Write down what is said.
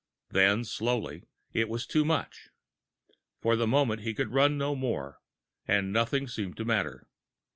Then, slowly, it was too much. For the moment, he could run no more, and nothing seemed to matter.